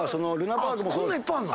こんなんいっぱいあんの。